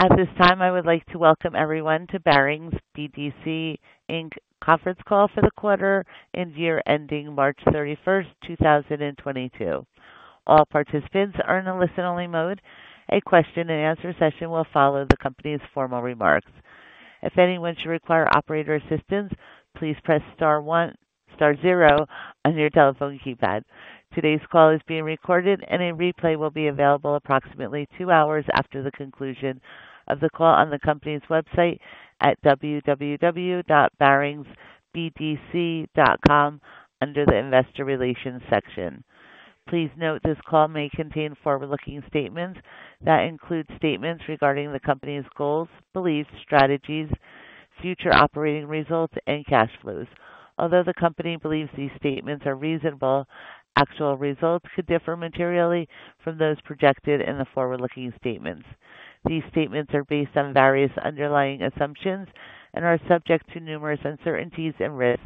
At this time, I would like to welcome everyone to Barings BDC, Inc. conference call for the quarter and year ending March 31, 2022. All participants are in a listen-only mode. A question and answer session will follow the company's formal remarks. If anyone should require operator assistance, please press star one, star zero on your telephone keypad. Today's call is being recorded and a replay will be available approximately two hours after the conclusion of the call on the company's website at www.baringsbdc.com under the Investor Relations section. Please note, this call may contain forward-looking statements that include statements regarding the company's goals, beliefs, strategies, future operating results and cash flows. Although the company believes these statements are reasonable, actual results could differ materially from those projected in the forward-looking statements. These statements are based on various underlying assumptions and are subject to numerous uncertainties and risks,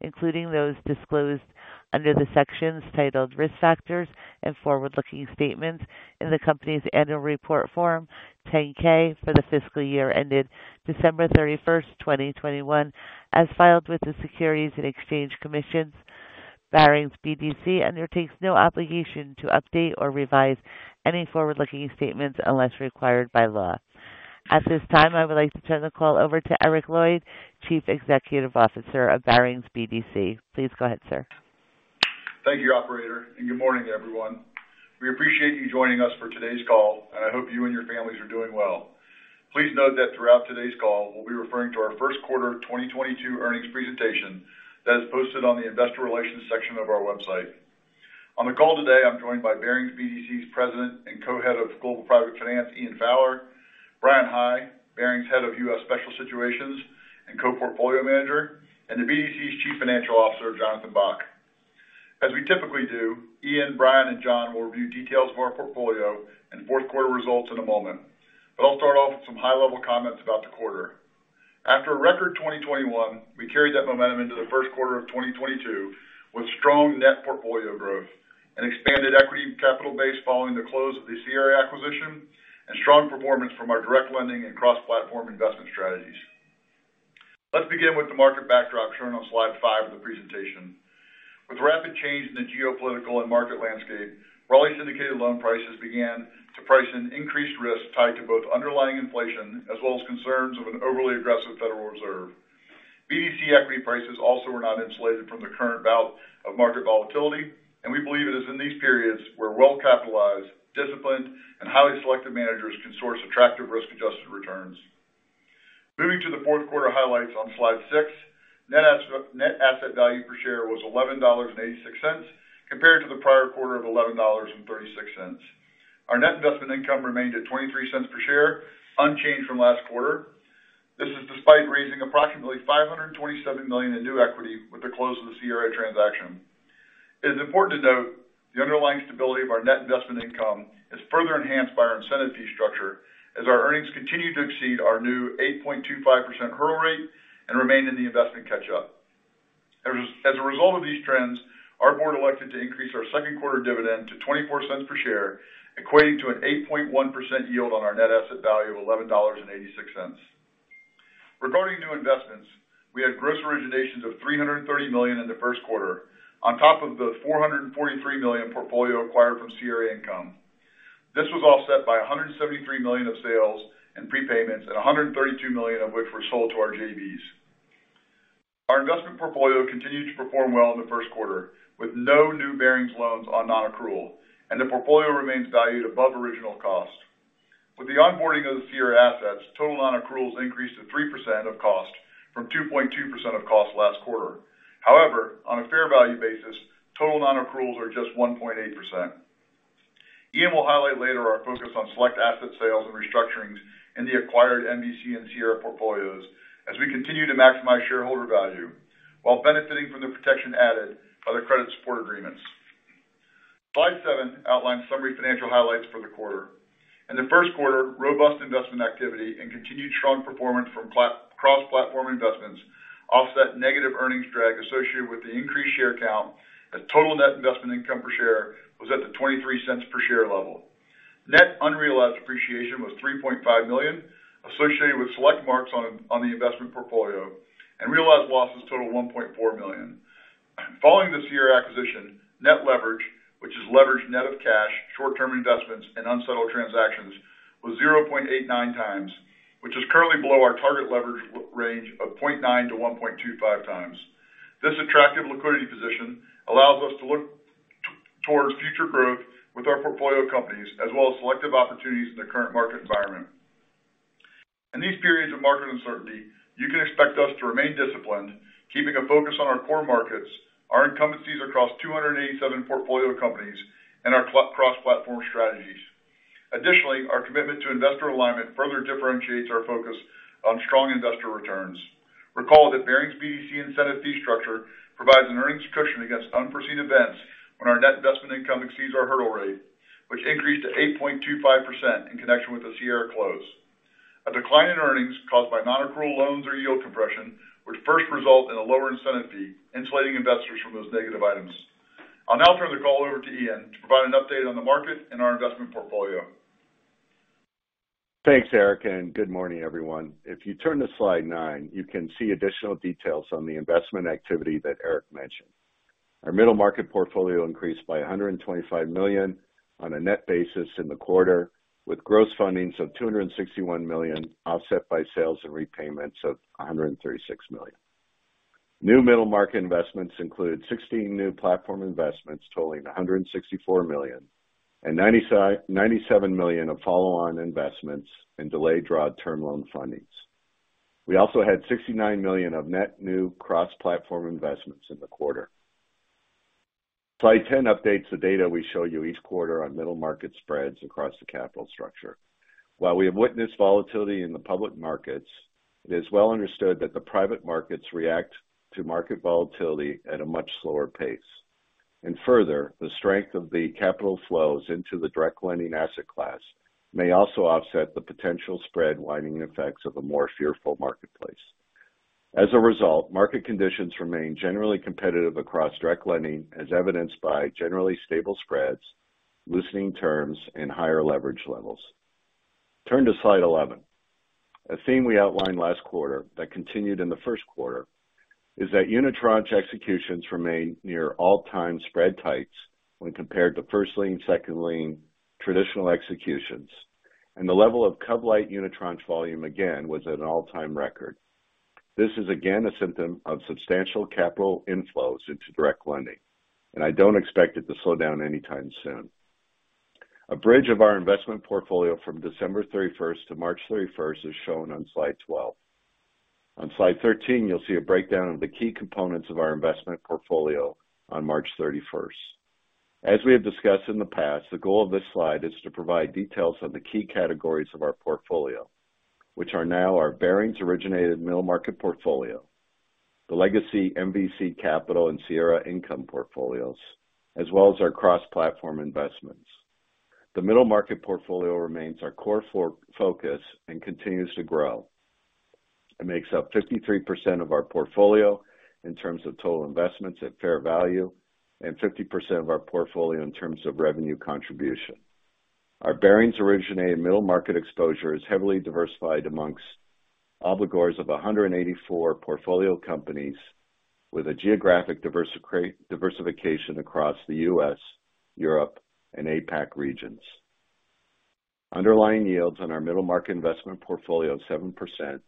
including those disclosed under the sections titled Risk Factors and Forward-Looking Statements in the company's annual report Form 10-K for the fiscal year ended December 31, 2021, as filed with the Securities and Exchange Commission. Barings BDC undertakes no obligation to update or revise any forward-looking statements unless required by law. At this time, I would like to turn the call over to Eric Lloyd, Chief Executive Officer of Barings BDC. Please go ahead, sir. Thank you, operator, and good morning, everyone. We appreciate you joining us for today's call, and I hope you and your families are doing well. Please note that throughout today's call, we'll be referring to our first quarter 2022 earnings presentation that is posted on the investor relations section of our website. On the call today, I'm joined by Barings BDC's President and Co-Head of Global Private Finance, Ian Fowler, Bryan High, Barings Head of Capital Solutions and Co-Portfolio Manager, and the BDC's Chief Financial Officer, Jonathan Bock. As we typically do, Ian, Bryan, and Jonathan will review details of our portfolio and first quarter results in a moment. I'll start off with some high-level comments about the quarter. After a record 2021, we carried that momentum into the first quarter of 2022 with strong net portfolio growth and expanded equity capital base following the close of the Sierra acquisition and strong performance from our direct lending and cross-platform investment strategies. Let's begin with the market backdrop shown on slide five of the presentation. With rapid change in the geopolitical and market landscape, broadly syndicated loan prices began to price in increased risk tied to both underlying inflation as well as concerns of an overly aggressive Federal Reserve. BDC equity prices also were not insulated from the current bout of market volatility, and we believe it is in these periods where well-capitalized, disciplined, and highly selective managers can source attractive risk-adjusted returns. Moving to the fourth quarter highlights on slide six, net asset value per share was $11.86 compared to the prior quarter of $11.36. Our net investment income remained at $0.23 per share, unchanged from last quarter. This is despite raising approximately $527 million in new equity with the close of the Sierra transaction. It is important to note the underlying stability of our net investment income is further enhanced by our incentive fee structure as our earnings continue to exceed our new 8.25% hurdle rate and remain in the income catch-up. As a result of these trends, our board elected to increase our second quarter dividend to $0.24 per share, equating to an 8.1% yield on our net asset value of $11.86. Regarding new investments, we had gross originations of $330 million in the first quarter on top of the $443 million portfolio acquired from Sierra Income. This was offset by $173 million of sales and prepayments, and $132 million of which were sold to our JVs. Our investment portfolio continued to perform well in the first quarter, with no new Barings loans on non-accrual, and the portfolio remains valued above original cost. With the onboarding of the Sierra assets, total non-accruals increased to 3% of cost from 2.2% of cost last quarter. However, on a fair value basis, total non-accruals are just 1.8%. Ian will highlight later our focus on select asset sales and restructurings in the acquired MVC and Sierra portfolios as we continue to maximize shareholder value while benefiting from the protection added by the credit support agreements. Slide seven outlines summary financial highlights for the quarter. In the first quarter, robust investment activity and continued strong performance from cross-platform investments offset negative earnings drag associated with the increased share count, and total net investment income per share was at the $0.23 per share level. Net unrealized appreciation was $3.5 million, associated with select marks on the investment portfolio, and realized losses totaled $1.4 million. Following the Sierra acquisition, net leverage, which is leverage net of cash, short-term investments, and unsettled transactions, was 0.89 times, which is currently below our target leverage range of 0.9-1.25 times. This attractive liquidity position allows us to look towards future growth with our portfolio companies as well as selective opportunities in the current market environment. In these periods of market uncertainty, you can expect us to remain disciplined, keeping a focus on our core markets, our incumbencies across 287 portfolio companies, and our cross-platform strategies. Additionally, our commitment to investor alignment further differentiates our focus on strong investor returns. Recall that Barings BDC incentive fee structure provides an earnings cushion against unforeseen events when our net investment income exceeds our hurdle rate, which increased to 8.25% in connection with the Sierra close. A decline in earnings caused by non-accrual loans or yield compression would first result in a lower incentive fee, insulating investors from those negative items. I'll now turn the call over to Ian to provide an update on the market and our investment portfolio. Thanks, Eric, and good morning, everyone. If you turn to slide nine, you can see additional details on the investment activity that Eric mentioned. Our middle market portfolio increased by $125 million on a net basis in the quarter, with gross fundings of $261 million, offset by sales and repayments of $136 million. New middle market investments include 16 new platform investments totaling $164 million and $97 million of follow-on investments in delayed draw term loan fundings. We also had $69 million of net new cross-platform investments in the quarter. Slide 10 updates the data we show you each quarter on middle market spreads across the capital structure. While we have witnessed volatility in the public markets, it is well understood that the private markets react to market volatility at a much slower pace. Further, the strength of the capital flows into the direct lending asset class may also offset the potential spread widening effects of a more fearful marketplace. As a result, market conditions remain generally competitive across direct lending, as evidenced by generally stable spreads, loosening terms, and higher leverage levels. Turn to slide 11. A theme we outlined last quarter that continued in the first quarter is that unitranche executions remain near all-time spread tights when compared to first lien, second lien, traditional executions. The level of cov-lite unitranche volume again was at an all-time record. This is again a symptom of substantial capital inflows into direct lending, and I don't expect it to slow down anytime soon. A bridge of our investment portfolio from December thirty-first to March thirty-first is shown on slide 12. On slide 13, you'll see a breakdown of the key components of our investment portfolio on March 31. As we have discussed in the past, the goal of this slide is to provide details on the key categories of our portfolio, which are now our Barings originated middle market portfolio, the legacy MVC Capital and Sierra Income portfolios, as well as our cross-platform investments. The middle market portfolio remains our core focus and continues to grow. It makes up 53% of our portfolio in terms of total investments at fair value and 50% of our portfolio in terms of revenue contribution. Our Barings originated middle market exposure is heavily diversified among obligors of 184 portfolio companies with a geographic diversification across the U.S., Europe, and APAC regions. Underlying yields on our middle market investment portfolio of 7%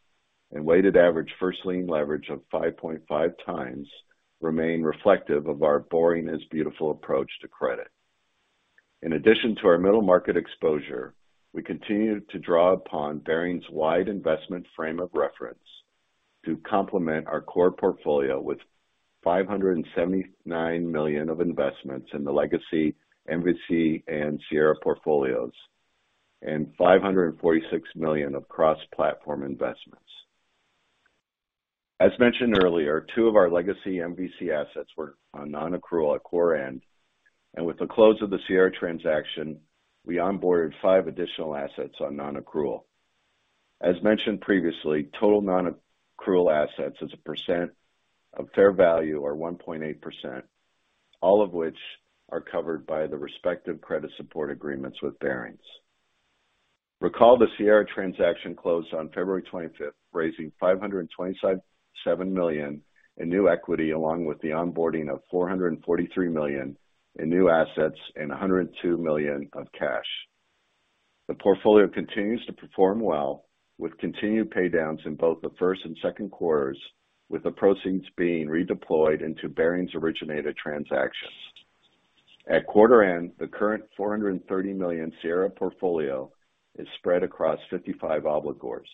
and weighted average first lien leverage of 5.5x remain reflective of our Barings is beautiful approach to credit. In addition to our middle market exposure, we continue to draw upon Barings' wide investment frame of reference to complement our core portfolio with $579 million of investments in the legacy MVC and Sierra portfolios and $546 million of cross-platform investments. As mentioned earlier, two of our legacy MVC assets were on non-accrual at quarter end, and with the close of the Sierra transaction, we onboarded five additional assets on non-accrual. As mentioned previously, total non-accrual assets as a percent of fair value are 1.8%, all of which are covered by the respective credit support agreements with Barings. Recall the Sierra transaction closed on February 25th, raising $527 million in new equity, along with the onboarding of $443 million in new assets and $102 million of cash. The portfolio continues to perform well, with continued paydowns in both the first and second quarters, with the proceeds being redeployed into Barings originated transactions. At quarter end, the current $430 million Sierra portfolio is spread across 55 obligors,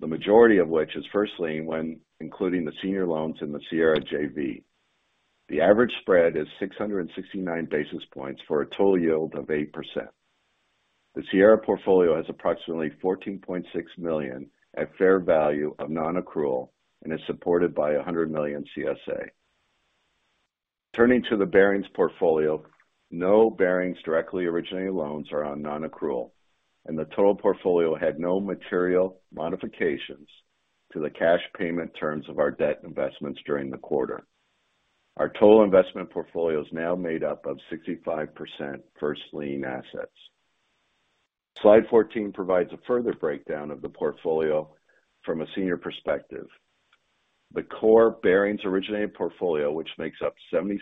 the majority of which is first lien when including the senior loans in the Sierra JV. The average spread is 669 basis points for a total yield of 8%. The Sierra portfolio has approximately $14.6 million at fair value of non-accrual and is supported by $100 million CSA. Turning to the Barings portfolio, no Barings directly originated loans are on non-accrual, and the total portfolio had no material modifications to the cash payment terms of our debt investments during the quarter. Our total investment portfolio is now made up of 65% first lien assets. Slide 14 provides a further breakdown of the portfolio from a senior perspective. The core Barings originated portfolio, which makes up 76%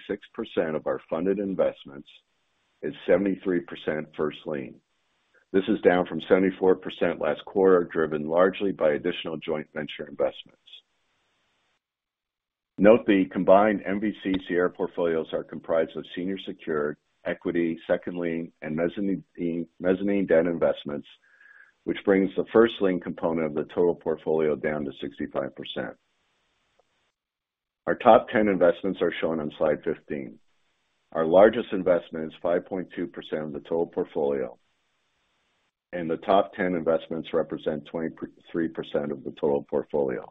of our funded investments, is 73% first lien. This is down from 74% last quarter, driven largely by additional joint venture investments. Note the combined MVC Sierra portfolios are comprised of senior secured equity, second lien, and mezzanine debt investments, which brings the first lien component of the total portfolio down to 65%. Our top 10 investments are shown on Slide 15. Our largest investment is 5.2% of the total portfolio, and the top ten investments represent 23% of the total portfolio.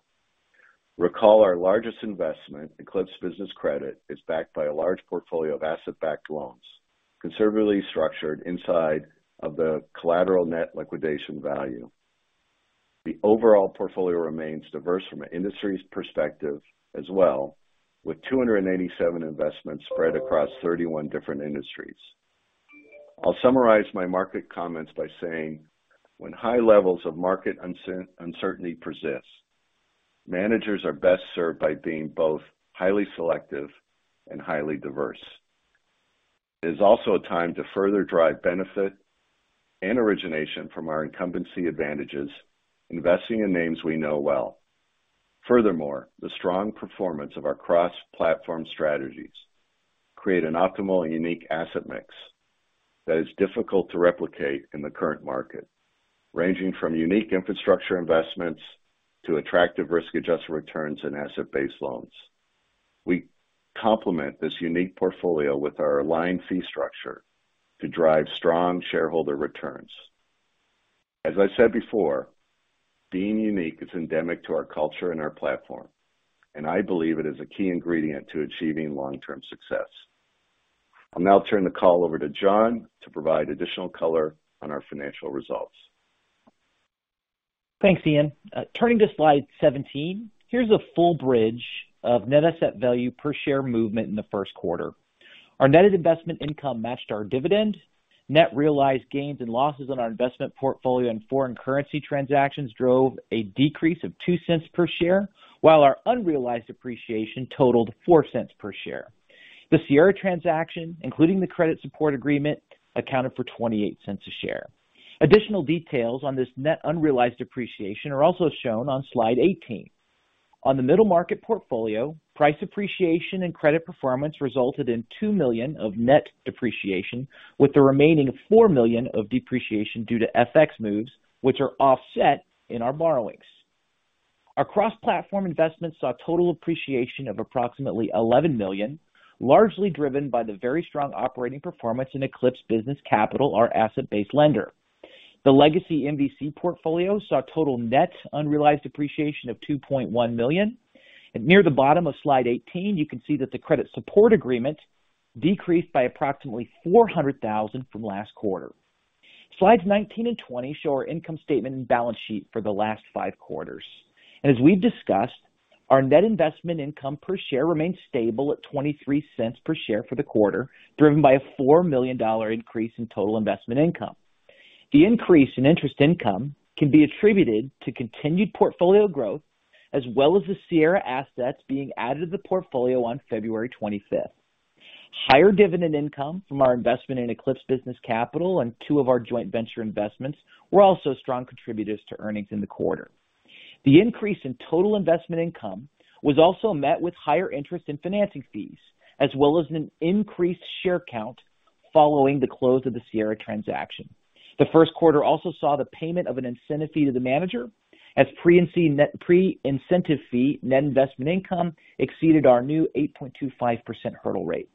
Recall our largest investment, Eclipse Business Capital, is backed by a large portfolio of asset-backed loans conservatively structured inside of the collateral net liquidation value. The overall portfolio remains diverse from an industry's perspective as well, with 287 investments spread across 31 different industries. I'll summarize my market comments by saying, when high levels of market uncertainty persists, managers are best served by being both highly selective and highly diverse. It is also a time to further drive benefit and origination from our incumbency advantages, investing in names we know well. Furthermore, the strong performance of our cross-platform strategies create an optimal and unique asset mix that is difficult to replicate in the current market, ranging from unique infrastructure investments to attractive risk-adjusted returns and asset-based loans. We complement this unique portfolio with our aligned fee structure to drive strong shareholder returns. As I said before, being unique is endemic to our culture and our platform, and I believe it is a key ingredient to achieving long-term success. I'll now turn the call over to Jon to provide additional color on our financial results. Thanks, Ian. Turning to slide 17. Here's a full bridge of net asset value per share movement in the first quarter. Our net investment income matched our dividend. Net realized gains and losses on our investment portfolio and foreign currency transactions drove a decrease of $0.02 per share, while our unrealized appreciation totaled $0.04 per share. The Sierra transaction, including the credit support agreement, accounted for $0.28 a share. Additional details on this net unrealized appreciation are also shown on slide 18. On the middle market portfolio, price appreciation and credit performance resulted in $2 million of net depreciation, with the remaining $4 million of depreciation due to FX moves, which are offset in our borrowings. Our cross-platform investments saw a total appreciation of approximately $11 million, largely driven by the very strong operating performance in Eclipse Business Capital, our asset-based lender. The legacy Sierra portfolio saw total net unrealized appreciation of $2.1 million. Near the bottom of slide 18, you can see that the credit support agreement decreased by approximately $400,000 from last quarter. Slides 19 and 20 show our income statement and balance sheet for the last five quarters. As we've discussed, our net investment income per share remains stable at $0.23 per share for the quarter, driven by a $4 million increase in total investment income. The increase in interest income can be attributed to continued portfolio growth as well as the Sierra assets being added to the portfolio on February 25. Higher dividend income from our investment in Eclipse Business Capital and two of our joint venture investments were also strong contributors to earnings in the quarter. The increase in total investment income was also met with higher interest and financing fees, as well as an increased share count following the close of the Sierra transaction. The first quarter also saw the payment of an incentive fee to the manager as pre-incentive fee net investment income exceeded our new 8.25% hurdle rate.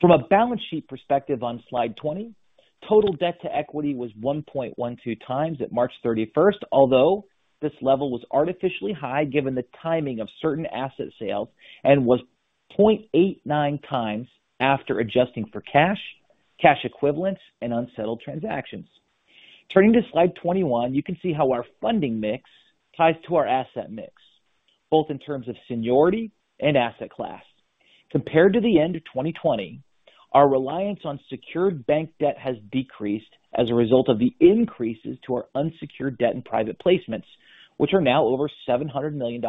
From a balance sheet perspective on slide 20, total debt to equity was 1.12x at March 31st. Although this level was artificially high given the timing of certain asset sales and was 0.89x after adjusting for cash equivalents, and unsettled transactions. Turning to slide 21, you can see how our funding mix ties to our asset mix, both in terms of seniority and asset class. Compared to the end of 2020, our reliance on secured bank debt has decreased as a result of the increases to our unsecured debt and private placements, which are now over $700 million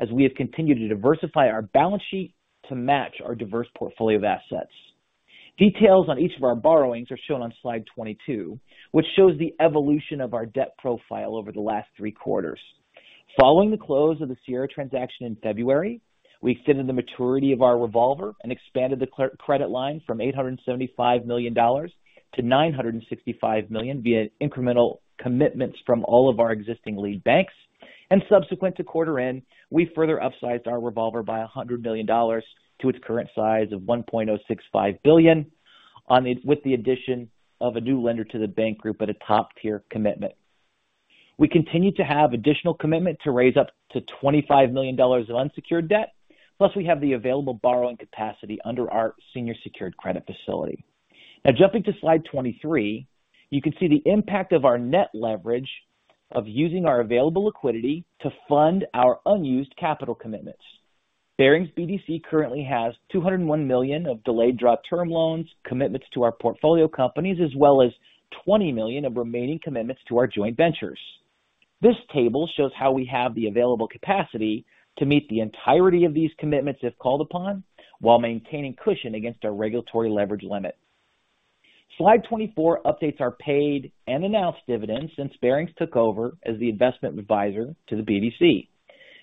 as we have continued to diversify our balance sheet to match our diverse portfolio of assets. Details on each of our borrowings are shown on slide 22, which shows the evolution of our debt profile over the last three quarters. Following the close of the Sierra transaction in February, we extended the maturity of our revolver and expanded the credit line from $875 million to $965 million via incremental commitments from all of our existing lead banks. Subsequent to quarter end, we further upsized our revolver by $100 million to its current size of $1.065 billion with the addition of a new lender to the bank group at a top-tier commitment. We continue to have additional commitment to raise up to $25 million of unsecured debt, plus we have the available borrowing capacity under our senior secured credit facility. Now jumping to slide 23, you can see the impact of our net leverage of using our available liquidity to fund our unused capital commitments. Barings BDC currently has $201 million of delayed draw term loans, commitments to our portfolio companies, as well as $20 million of remaining commitments to our joint ventures. This table shows how we have the available capacity to meet the entirety of these commitments if called upon, while maintaining cushion against our regulatory leverage limit. Slide 24 updates our paid and announced dividends since Barings took over as the investment advisor to the BDC.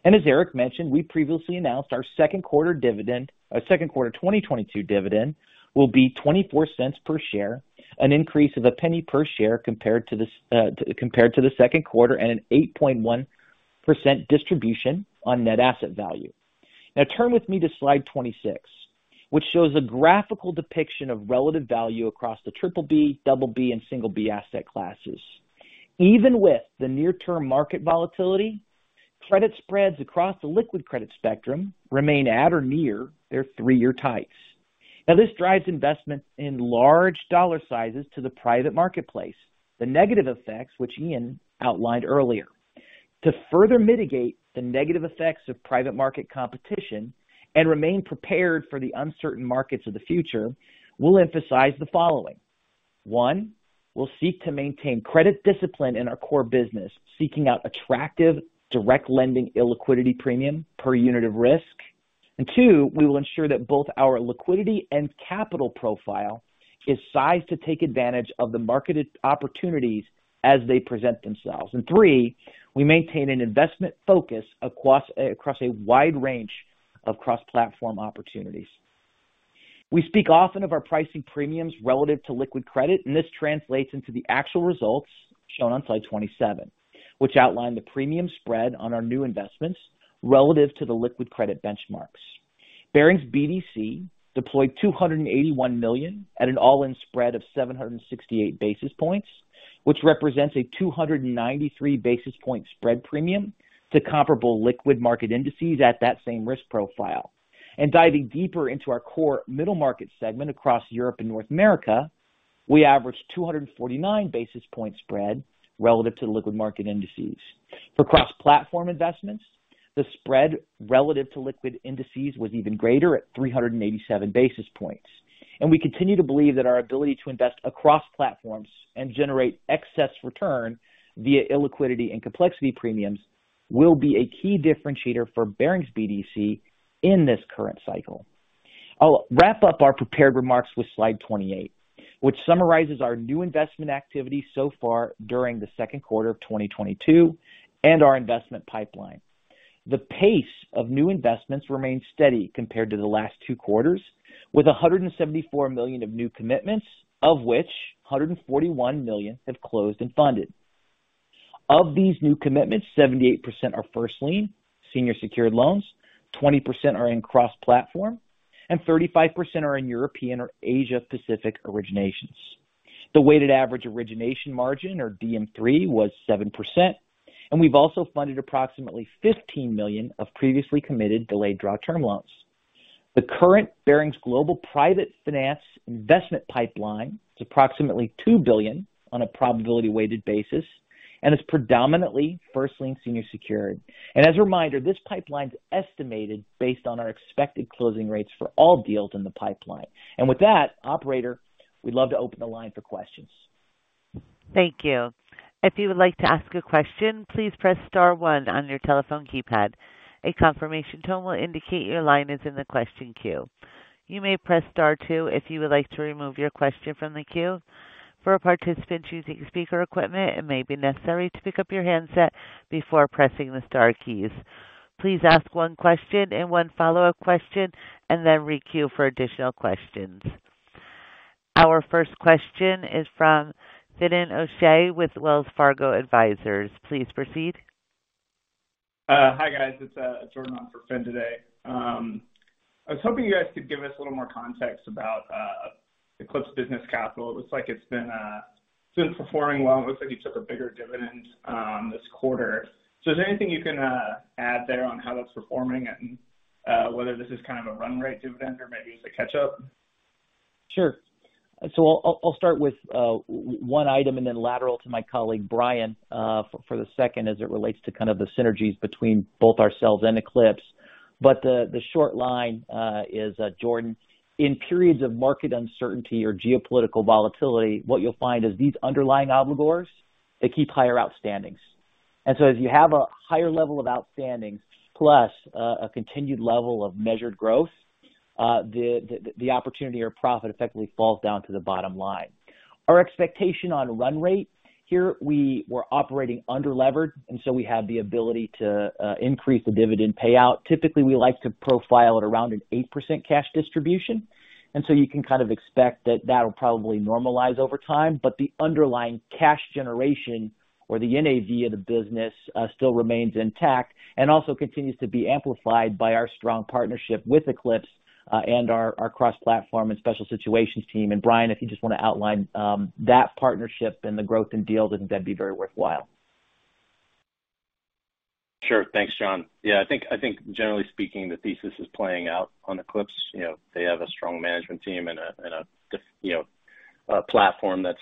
As Eric mentioned, we previously announced our second quarter dividend, our second quarter 2022 dividend will be $0.24 per share, an increase of $0.01 per share compared to the second quarter, and an 8.1% distribution on net asset value. Now turn with me to slide 26, which shows a graphical depiction of relative value across the BBB, BB, and single B asset classes. Even with the near-term market volatility, credit spreads across the liquid credit spectrum remain at or near their three-year tights. Now, this drives investment in large dollar sizes to the private marketplace, the negative effects which Ian outlined earlier. To further mitigate the negative effects of private market competition and remain prepared for the uncertain markets of the future, we'll emphasize the following. One, we'll seek to maintain credit discipline in our core business, seeking out attractive direct lending illiquidity premium per unit of risk. Two, we will ensure that both our liquidity and capital profile is sized to take advantage of the marketed opportunities as they present themselves. Three, we maintain an investment focus across a wide range of cross-platform opportunities. We speak often of our pricing premiums relative to liquid credit, and this translates into the actual results shown on slide 27, which outline the premium spread on our new investments relative to the liquid credit benchmarks. Barings BDC deployed $281 million at an all-in spread of 768 basis points, which represents a 293 basis point spread premium to comparable liquid market indices at that same risk profile. Diving deeper into our core middle market segment across Europe and North America, we averaged 249 basis point spread relative to the liquid market indices. For cross-platform investments, the spread relative to liquid indices was even greater at 387 basis points. We continue to believe that our ability to invest across platforms and generate excess return via illiquidity and complexity premiums will be a key differentiator for Barings BDC in this current cycle. I'll wrap up our prepared remarks with slide 28, which summarizes our new investment activity so far during the second quarter of 2022 and our investment pipeline. The pace of new investments remains steady compared to the last two quarters, with $174 million of new commitments, of which $141 million have closed and funded. Of these new commitments, 78% are first lien senior secured loans, 20% are in cross-platform, and 35% are in European or Asia Pacific originations. The weighted average origination margin or DM3 was 7%, and we've also funded approximately $15 million of previously committed delayed draw term loans. The current Barings Global Private Finance investment pipeline is approximately $2 billion on a probability weighted basis, and it's predominantly first lien senior secured. As a reminder, this pipeline is estimated based on our expected closing rates for all deals in the pipeline. With that, operator, we'd love to open the line for questions. Thank you. If you would like to ask a question, please press star one on your telephone keypad. A confirmation tone will indicate your line is in the question queue. You may press star two if you would like to remove your question from the queue. For a participant choosing speaker equipment, it may be necessary to pick up your handset before pressing the star keys. Please ask one question and one follow-up question, and then re-queue for additional questions. Our first question is from Finian O'Shea with Wells Fargo Securities. Please proceed. Hi, guys. It's Jordan on for Fin today. I was hoping you guys could give us a little more context about Eclipse Business Capital. It looks like it's been performing well, and looks like you took a bigger dividend this quarter. Is there anything you can add there on how that's performing and whether this is kind of a run rate dividend or maybe it's a catch-up? Sure. I'll start with one item and then hand over to my colleague Bryan for the second as it relates to kind of the synergies between both ourselves and Eclipse. The bottom line is, Jordan, in periods of market uncertainty or geopolitical volatility, what you'll find is these underlying obligors, they keep higher outstandings. As you have a higher level of outstandings plus a continued level of measured growth, the opportunity or profit effectively falls down to the bottom line. Our expectation on run rate here, we were operating under-levered, and so we have the ability to increase the dividend payout. Typically, we like to profile at around an 8% cash distribution, and so you can kind of expect that that'll probably normalize over time. The underlying cash generation or the NAV of the business still remains intact and also continues to be amplified by our strong partnership with Eclipse, and our cross-platform and special situations team. Bryan, if you just want to outline that partnership and the growth in deals, and that'd be very worthwhile. Sure. Thanks, Jon. Yeah, I think generally speaking, the thesis is playing out on Eclipse. You know, they have a strong management team and a, you know, a platform that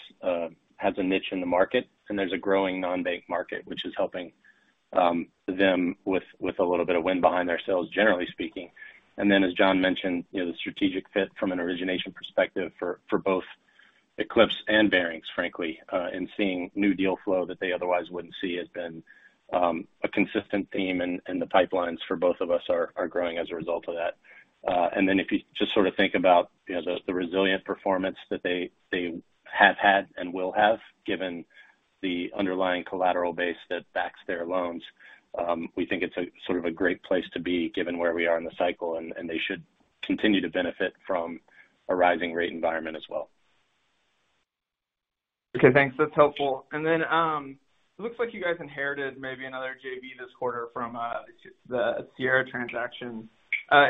has a niche in the market, and there's a growing non-bank market, which is helping them with a little bit of wind behind their sails, generally speaking. Then, as Jon mentioned, you know, the strategic fit from an origination perspective for both Eclipse and Barings, frankly, in seeing new deal flow that they otherwise wouldn't see has been a consistent theme. The pipelines for both of us are growing as a result of that. If you just sort of think about, you know, the resilient performance that they have had and will have, given the underlying collateral base that backs their loans, we think it's sort of a great place to be given where we are in the cycle, and they should continue to benefit from a rising rate environment as well. Okay, thanks. That's helpful. It looks like you guys inherited maybe another JV this quarter from the Sierra transaction.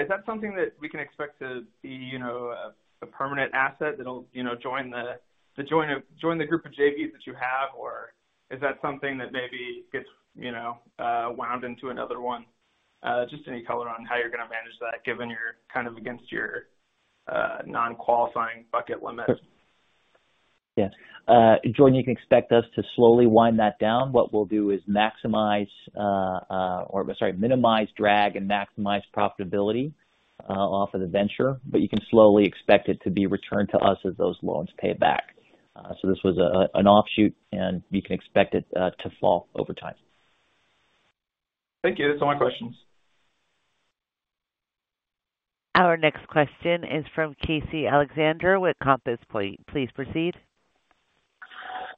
Is that something that we can expect to be, you know, a permanent asset that'll, you know, join the group of JVs that you have? Or is that something that maybe gets, you know, wound into another one? Just any color on how you're going to manage that, given you're kind of up against your non-qualifying bucket limit? Yeah. Jordan, you can expect us to slowly wind that down. What we'll do is minimize drag and maximize profitability off of the venture. You can slowly expect it to be returned to us as those loans pay back. This was an offshoot, and you can expect it to fall over time. Thank you. That's all my questions. Our next question is from Casey Alexander with Compass Point. Please proceed.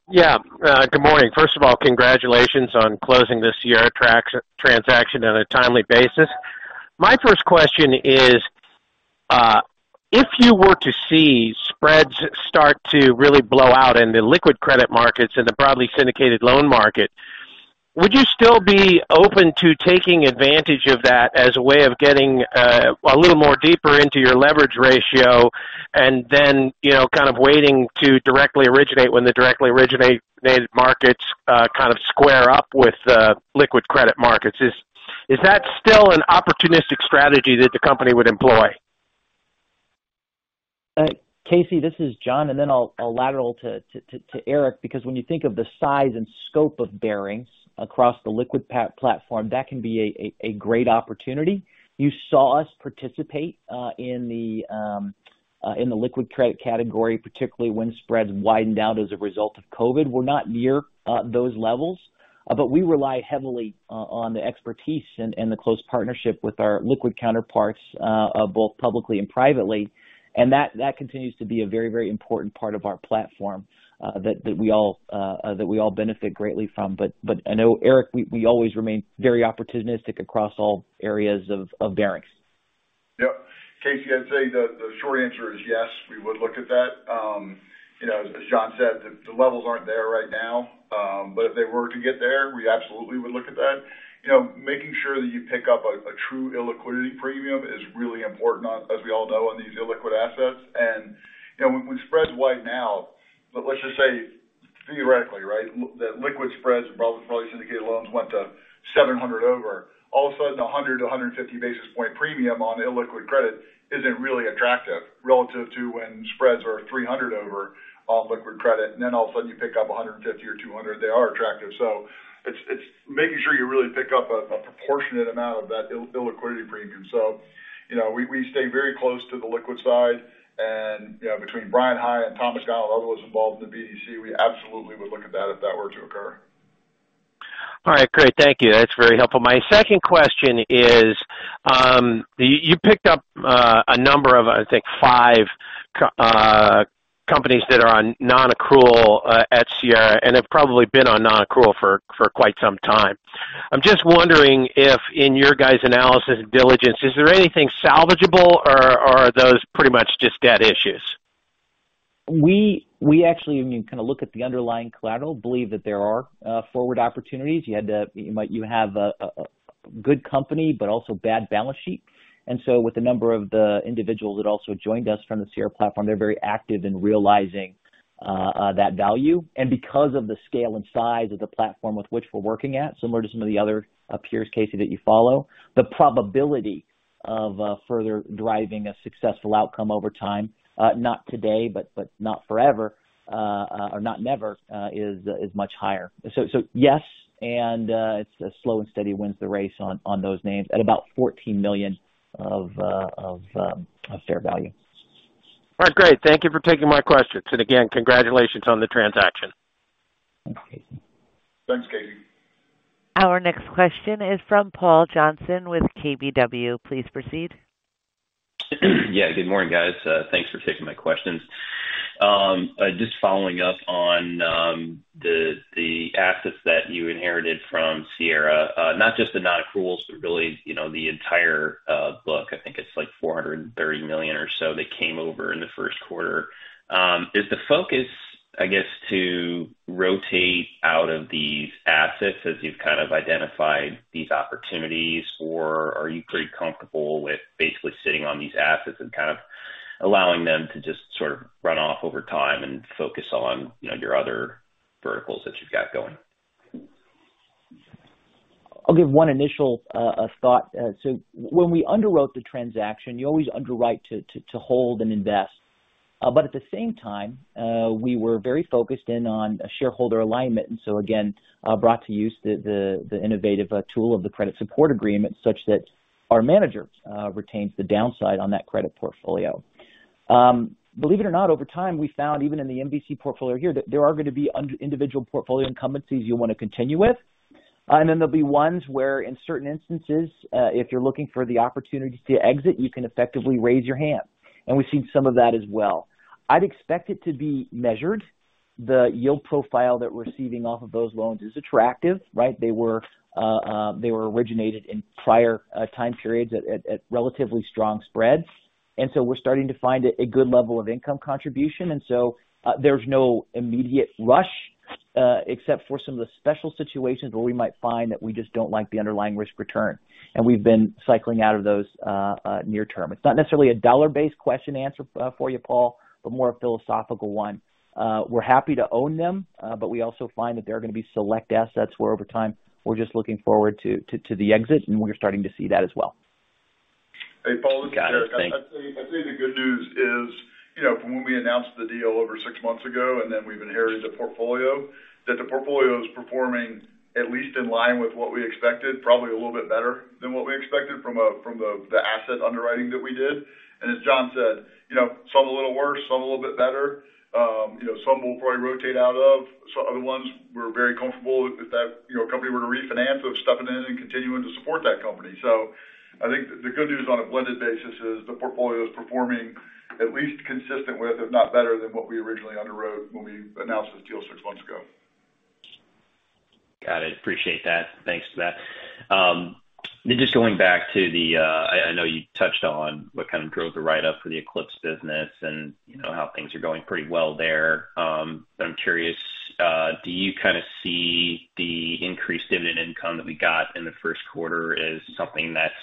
Yeah. Good morning. First of all, congratulations on closing this Sierra transaction on a timely basis. My first question is, if you were to see spreads start to really blow out in the liquid credit markets and the broadly syndicated loan market, would you still be open to taking advantage of that as a way of getting a little more deeper into your leverage ratio and then, you know, kind of waiting to directly originate when the directly originated markets kind of square up with the liquid credit markets? Is that still an opportunistic strategy that the company would employ? Casey, this is John, and then I'll lateral to Eric, because when you think of the size and scope of Barings across the liquid platform, that can be a great opportunity. You saw us participate in the liquid credit category, particularly when spreads widened out as a result of COVID. We're not near those levels, but we rely heavily on the expertise and the close partnership with our liquid counterparts, both publicly and privately. That continues to be a very important part of our platform that we all benefit greatly from. I know, Eric, we always remain very opportunistic across all areas of Barings. Yep. Casey, I'd say the short answer is yes, we would look at that. You know, as Jon said, the levels aren't there right now. But if they were to get there, we absolutely would look at that. You know, making sure that you pick up a true illiquidity premium is really important, as we all know, on these illiquid assets. You know, when spreads widen out, but let's just say theoretically, right, that liquid spreads and broadly syndicated loans went to 700 over, all of a sudden, a 100-150 basis point premium on illiquid credit isn't really attractive relative to when spreads are 300 over on liquid credit. Then all of a sudden you pick up 150 or 200, they are attractive. It's making sure you really pick up a proportionate amount of that illiquidity premium. You know, we stay very close to the liquid side. You know, between Bryan High and Tom McDonald, others involved in the BDC, we absolutely would look at that if that were to occur. All right. Great. Thank you. That's very helpful. My second question is, you picked up a number of, I think, five companies that are on non-accrual at Sierra and have probably been on non-accrual for quite some time. I'm just wondering if in your guys' analysis and diligence, is there anything salvageable or are those pretty much just dead issues? We actually, when you kind of look at the underlying collateral, believe that there are forward opportunities. You have a good company but also bad balance sheet. With a number of the individuals that also joined us from the Sierra platform, they're very active in realizing that value. Because of the scale and size of the platform with which we're working at, similar to some of the other peers, Casey, that you follow, the probability of further driving a successful outcome over time, not today, but not forever, or not never, is much higher. So yes, it's slow and steady wins the race on those names at about $14 million of fair value. All right. Great. Thank you for taking my questions. Again, congratulations on the transaction. Thanks, Casey. Thanks, Casey. Our next question is from Paul Johnson with KBW. Please proceed. Yeah. Good morning, guys. Thanks for taking my questions. Just following up on the assets that you inherited from Sierra, not just the non-accruals, but really, you know, the entire book. I think it's like $430 million or so that came over in the first quarter. Is the focus, I guess, to rotate out of these assets as you've kind of identified these opportunities, or are you pretty comfortable with basically sitting on these assets and kind of allowing them to just sort of run off over time and focus on, you know, your other verticals that you've got going? I'll give one initial thought. When we underwrote the transaction, you always underwrite to hold and invest. At the same time, we were very focused in on a shareholder alignment. Again, brought to use the innovative tool of the credit support agreement such that our manager retains the downside on that credit portfolio. Believe it or not, over time, we found even in the MVC portfolio here, that there are going to be some individual portfolio investments you'll want to continue with. There'll be ones where in certain instances, if you're looking for the opportunity to exit, you can effectively raise your hand. We've seen some of that as well. I'd expect it to be measured. The yield profile that we're receiving off of those loans is attractive, right? They were originated in prior time periods at relatively strong spreads. We're starting to find a good level of income contribution. There's no immediate rush, except for some of the special situations where we might find that we just don't like the underlying risk return. We've been cycling out of those near term. It's not necessarily a dollar-based question answer, for you, Paul, but more a philosophical one. We're happy to own them, but we also find that there are going to be select assets where over time, we're just looking forward to the exit, and we're starting to see that as well. Hey, Paul, this is Eric. I'd say the good news is, you know, from when we announced the deal over six months ago, and then we've inherited the portfolio, that the portfolio is performing at least in line with what we expected, probably a little bit better than what we expected from the asset underwriting that we did. As Jonathan said, you know, some a little worse, some a little bit better. You know, some we'll probably rotate out of. Other ones we're very comfortable if that company were to refinance, we're stepping in and continuing to support that company. I think the good news on a blended basis is the portfolio is performing at least consistent with, if not better than what we originally underwrote when we announced this deal six months ago. Got it. Appreciate that. Thanks for that. I know you touched on what kind of drove the write-up for the Eclipse business and, you know, how things are going pretty well there. I'm curious, do you kind of see the increased dividend income that we got in the first quarter as something that's,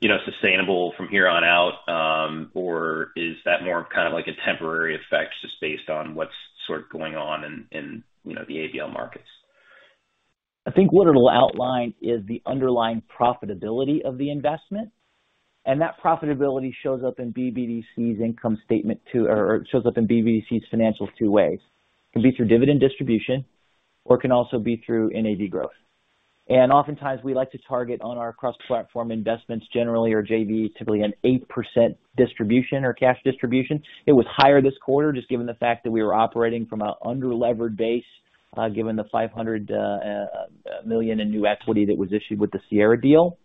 you know, sustainable from here on out, or is that more of kind of like a temporary effect just based on what's sort of going on in, you know, the ABL markets? I think what it'll outline is the underlying profitability of the investment, and that profitability shows up in BBDC's income statement too, or shows up in BBDC's financials two ways. It can be through dividend distribution or it can also be through NAV growth. Oftentimes we like to target on our cross-platform investments generally or JV, typically an 8% distribution or cash distribution. It was higher this quarter just given the fact that we were operating from an under-levered base, given the $500 million in new equity that was issued with the Sierra deal.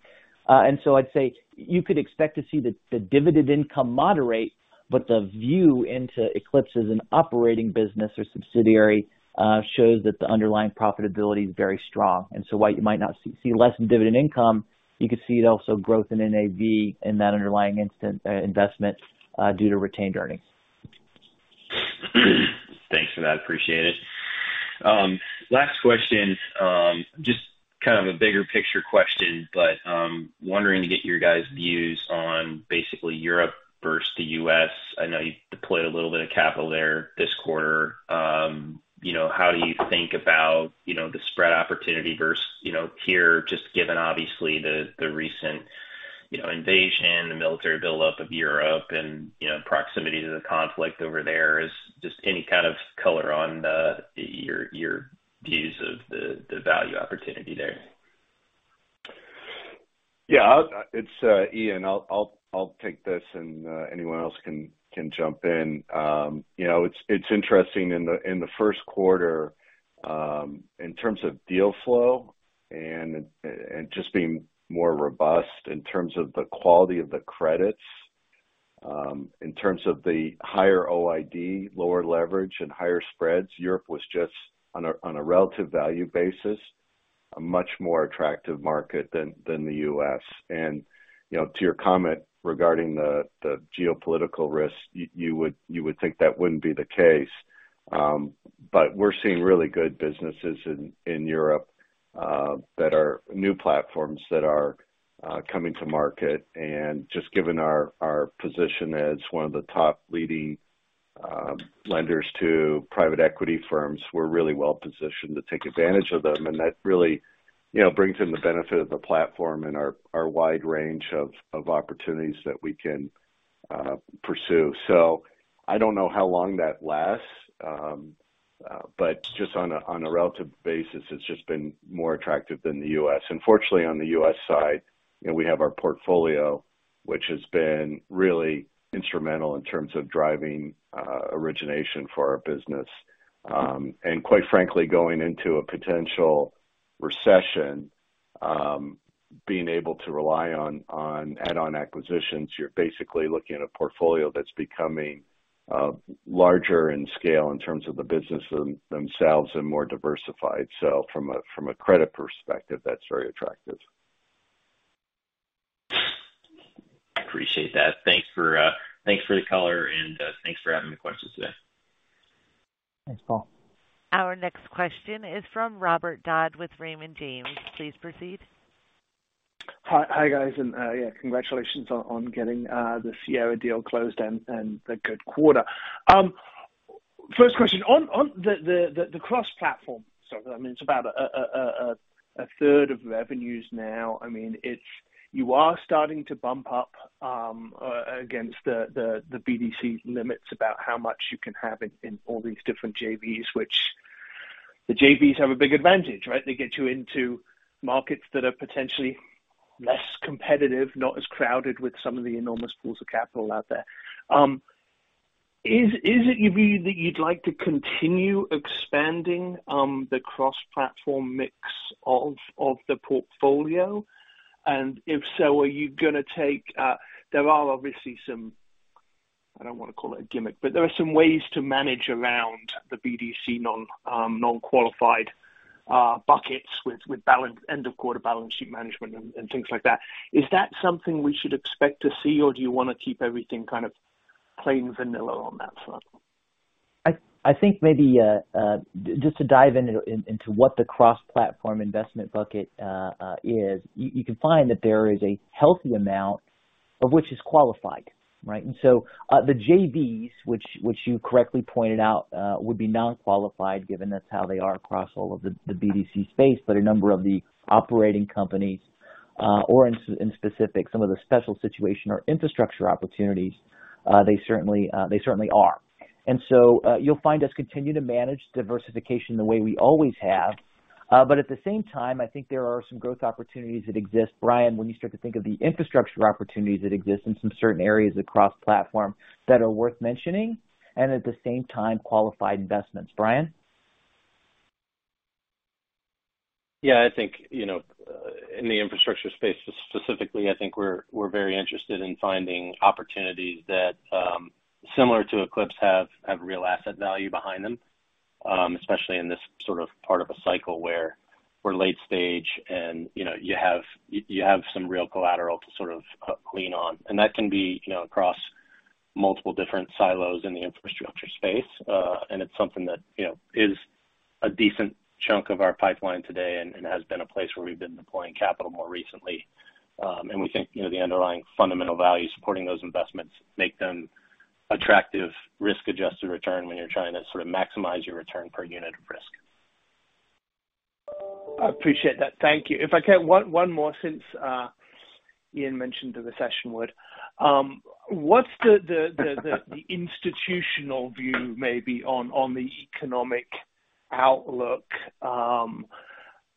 I'd say you could expect to see the dividend income moderate, but the view into Eclipse as an operating business or subsidiary shows that the underlying profitability is very strong. While you might not see less in dividend income, you could see also growth in NAV in that underlying investment due to retained earnings. Thanks for that. Appreciate it. Last question. Just kind of a bigger picture question, but wondering to get your guys' views on basically Europe versus the U.S. I know you deployed a little bit of capital there this quarter. You know, how do you think about, you know, the spread opportunity versus, you know, here, just given obviously the recent, you know, invasion, the military buildup of Europe and, you know, proximity to the conflict over there. It's just any kind of color on your views of the value opportunity there? It's Ian. I'll take this and anyone else can jump in. You know, it's interesting in the first quarter in terms of deal flow and just being more robust in terms of the quality of the credits in terms of the higher OID, lower leverage and higher spreads. Europe was just on a relative value basis a much more attractive market than the U.S. You know, to your comment regarding the geopolitical risk, you would think that wouldn't be the case. We're seeing really good businesses in Europe that are new platforms that are coming to market. Just given our position as one of the top leading lenders to private equity firms, we're really well positioned to take advantage of them. That really, you know, brings in the benefit of the platform and our wide range of opportunities that we can pursue. So I don't know how long that lasts. But just on a relative basis, it's just been more attractive than the U.S. Fortunately on the U.S. side, you know, we have our portfolio, which has been really instrumental in terms of driving origination for our business. Quite frankly, going into a potential recession, being able to rely on add-on acquisitions, you're basically looking at a portfolio that's becoming larger in scale in terms of the businesses themselves and more diversified. So from a credit perspective, that's very attractive. I appreciate that. Thanks for the color and thanks for having the questions today. Thanks, Paul. Our next question is from Robert Dodd with Raymond James. Please proceed. Hi. Hi, guys. Yeah, congratulations on getting the Sierra deal closed and a good quarter. First question on the cross-platform. I mean, it's about a third of revenues now. I mean, it's. You are starting to bump up against the BDC limits about how much you can have in all these different JVs, which the JVs have a big advantage, right? They get you into markets that are potentially less competitive, not as crowded with some of the enormous pools of capital out there. Is it your view that you'd like to continue expanding the cross-platform mix of the portfolio? If so, are you gonna take... There are obviously some, I don't wanna call it a gimmick, but there are some ways to manage around the BDC non-qualified buckets with end of quarter balance sheet management and things like that. Is that something we should expect to see, or do you wanna keep everything kind of plain vanilla on that front? I think maybe just to dive into what the cross-platform investment bucket is, you can find that there is a healthy amount of which is qualified, right? The JVs, which you correctly pointed out, would be non-qualified given that's how they are across all of the BDC space. A number of the operating companies, or in specific, some of the special situation or infrastructure opportunities, they certainly are. You'll find us continue to manage diversification the way we always have. At the same time, I think there are some growth opportunities that exist. Brian, when you start to think of the infrastructure opportunities that exist in some certain areas across platform that are worth mentioning, and at the same time, qualified investments. Brian? Yeah. I think, you know, in the infrastructure space specifically, I think we're very interested in finding opportunities that similar to Eclipse have real asset value behind them. Especially in this sort of part of a cycle where we're late stage and, you know, you have some real collateral to sort of lean on. That can be, you know, across multiple different silos in the infrastructure space. It's something that, you know, is a decent chunk of our pipeline today and has been a place where we've been deploying capital more recently. We think, you know, the underlying fundamental value supporting those investments make them attractive risk-adjusted return when you're trying to sort of maximize your return per unit of risk. I appreciate that. Thank you. One more since Ian mentioned the recession word. What's the institutional view maybe on the economic outlook?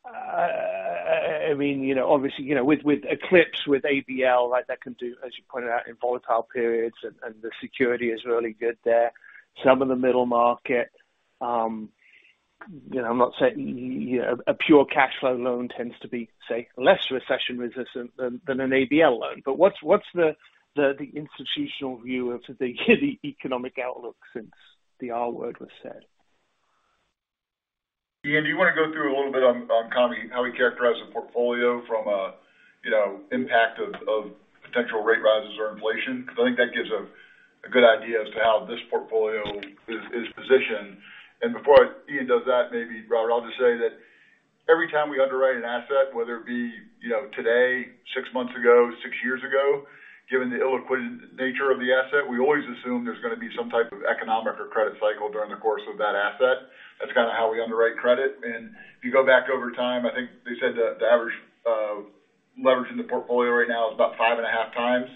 I mean, you know, obviously, you know, with Eclipse, with ABL, right, that can do, as you pointed out, in volatile periods and the security is really good there. Some in the middle market, you know, I'm not saying, you know, a pure cash flow loan tends to be, say, less recession resistant than an ABL loan. But what's the institutional view of the economic outlook since the R word was said? Ian, do you wanna go through a little bit on kind of how we characterize the portfolio from a you know impact of potential rate rises or inflation? Because I think that gives a good idea as to how this portfolio is positioned. Before Ian does that, maybe Robert, I'll just say that every time we underwrite an asset, whether it be you know today, six months ago, six years ago, given the illiquid nature of the asset, we always assume there's gonna be some type of economic or credit cycle during the course of that asset. That's kinda how we underwrite credit. If you go back over time, I think they said the average leverage in the portfolio right now is about 5.5x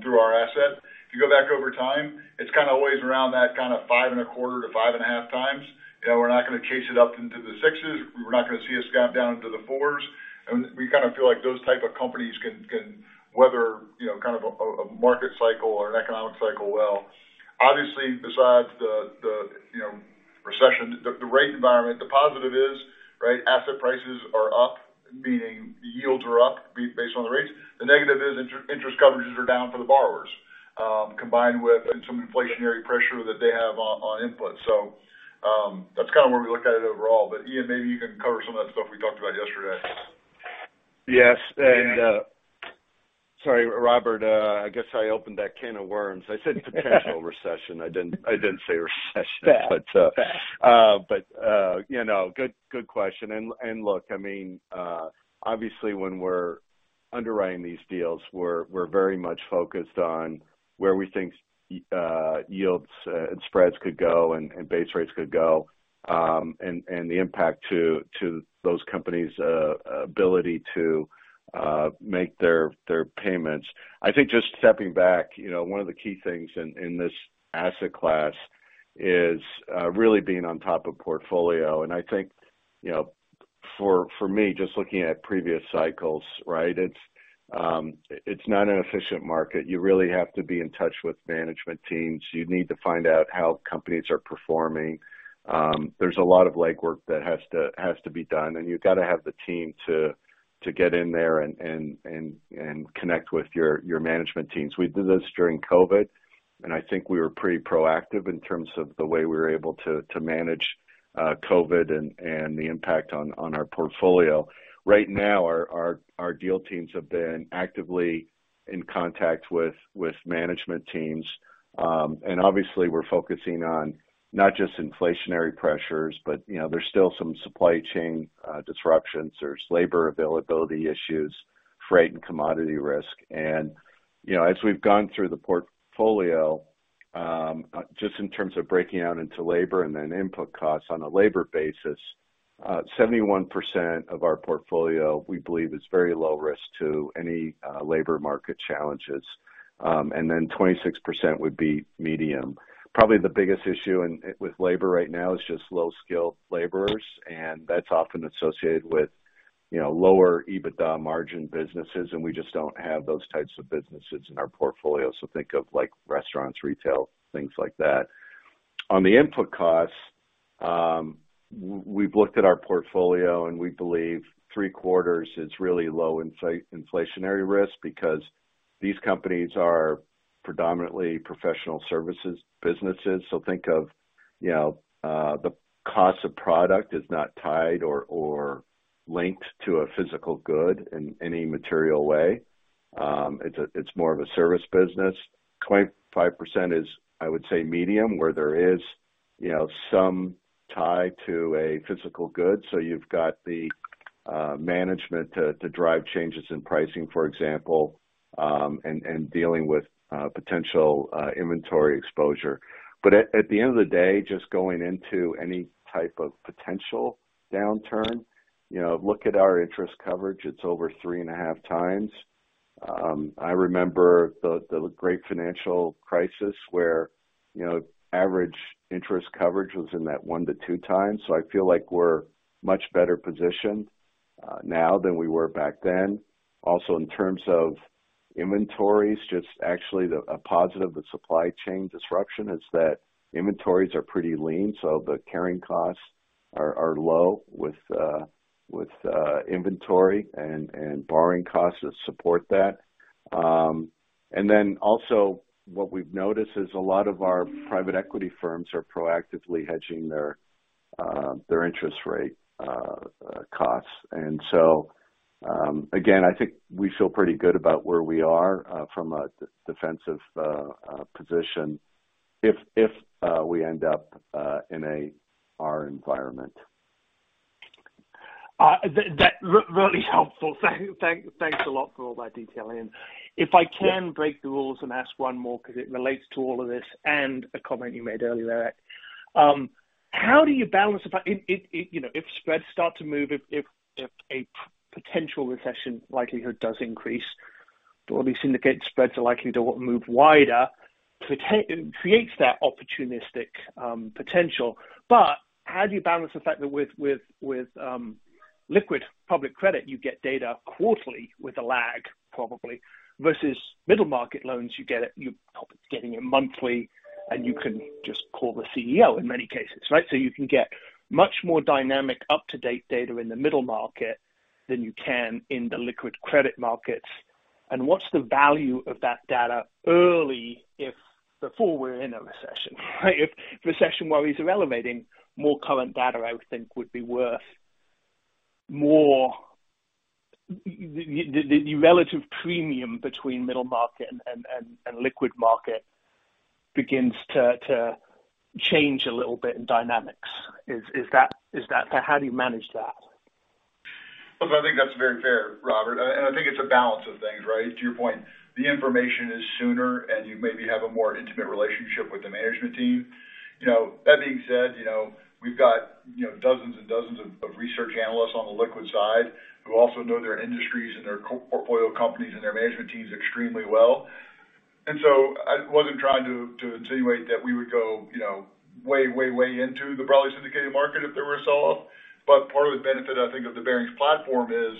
through our asset. If you go back over time, it's kinda always around that kinda 5.25-5.5x. You know, we're not gonna chase it up into the 6s. We're not gonna see it scoot down into the 4s. We kind of feel like those type of companies can weather, you know, kind of a market cycle or an economic cycle well. Obviously, besides the recession, the rate environment, the positive is, right, asset prices are up, meaning yields are up based on the rates. The negative is interest coverages are down for the borrowers, combined with some inflationary pressure that they have on input. That's kind of where we look at it overall. Ian, maybe you can cover some of that stuff we talked about yesterday. Yes. Sorry, Robert, I guess I opened that can of worms. I said potential recession. I didn't say recession. Bad. You know, good question. Look, I mean, obviously when we're underwriting these deals, we're very much focused on where we think yields and spreads could go and base rates could go, and the impact to those companies' ability to make their payments. I think just stepping back, you know, one of the key things in this asset class is really being on top of portfolio. I think, you know, for me, just looking at previous cycles, right? It's not an efficient market. You really have to be in touch with management teams. You need to find out how companies are performing. There's a lot of legwork that has to be done, and you've got to have the team to get in there and connect with your management teams. We did this during COVID, and I think we were pretty proactive in terms of the way we were able to manage COVID and the impact on our portfolio. Right now, our deal teams have been actively in contact with management teams. And obviously we're focusing on not just inflationary pressures, but you know, there's still some supply chain disruptions. There's labor availability issues, freight and commodity risk. You know, as we've gone through the portfolio, just in terms of breaking out into labor and then input costs on a labor basis, 71% of our portfolio, we believe is very low risk to any labor market challenges. And then 26% would be medium. Probably the biggest issue with labor right now is just low-skill laborers, and that's often associated with, you know, lower EBITDA margin businesses, and we just don't have those types of businesses in our portfolio. So think of like restaurants, retail, things like that. On the input costs, we've looked at our portfolio, and we believe three-quarters is really low inflationary risk because these companies are predominantly professional services businesses. So think of, you know, the cost of product is not tied or linked to a physical good in any material way. It's more of a service business. 25% is, I would say, medium, where there is, you know, some tie to a physical good. You've got the management to drive changes in pricing, for example, and dealing with potential inventory exposure. But at the end of the day, just going into any type of potential downturn, you know, look at our interest coverage. It's over 3.5x. I remember the great financial crisis where, you know, average interest coverage was in that 1-2x. I feel like we're much better positioned now than we were back then. Also, in terms of inventories, just actually a positive with supply chain disruption is that inventories are pretty lean, so the carrying costs are low with inventory and borrowing costs that support that. Then also what we've noticed is a lot of our private equity firms are proactively hedging their interest rate costs. Again, I think we feel pretty good about where we are from a defensive position if we end up in a recession environment. Really helpful. Thanks a lot for all that detail, Ian. If I can break the rules and ask one more because it relates to all of this and a comment you made earlier, how do you balance the fact if you know, if spreads start to move, if a potential recession likelihood does increase, broadly syndicated spreads are likely to move wider, it creates that opportunistic potential. But how do you balance the fact that with liquid public credit you get data quarterly with a lag probably versus middle market loans you get it, you're getting it monthly and you can just call the CEO in many cases, right? So you can get much more dynamic up-to-date data in the middle market than you can in the liquid credit markets. What's the value of that data early if before we're in a recession? If recession worries are elevating more current data I would think would be worth more. The relative premium between middle market and liquid market begins to change a little bit in dynamics. Is that? How do you manage that? Look, I think that's very fair, Robert. I think it's a balance of things, right? To your point, the information is sooner and you maybe have a more intimate relationship with the management team. You know, that being said, you know, we've got, you know, dozens and dozens of research analysts on the liquid side who also know their industries and their co-portfolio companies and their management teams extremely well. I wasn't trying to insinuate that we would go, you know, way, way into the broadly syndicated market if there were a sell-off. Part of the benefit I think of the Barings platform is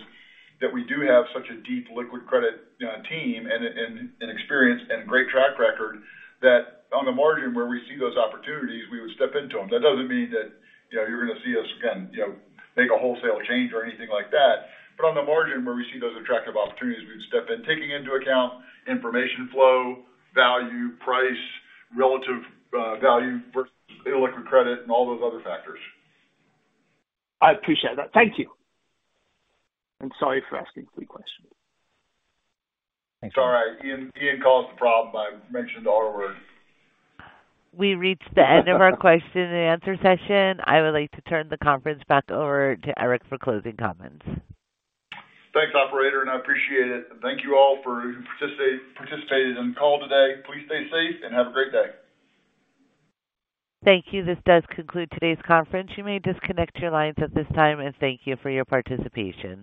that we do have such a deep liquid credit team and experience and great track record that on the margin where we see those opportunities, we would step into them. That doesn't mean that, you know, you're gonna see us again, you know, make a wholesale change or anything like that. On the margin where we see those attractive opportunities, we would step in, taking into account information flow, value, price, relative, value versus illiquid credit and all those other factors. I appreciate that. Thank you. Sorry for asking three questions. It's all right. Ian caused the problem by mentioning it all to us. We reached the end of our question and answer session. I would like to turn the conference back over to Eric for closing comments. Thanks, operator, and I appreciate it. Thank you all for participating in the call today. Please stay safe and have a great day. Thank you. This does conclude today's conference. You may disconnect your lines at this time and thank you for your participation.